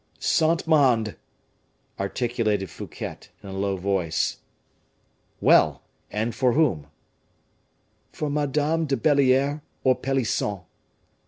"Saint Mande," articulated Fouquet, in a low voice. "Well! and for whom?" "For Madame de Belliere or Pelisson."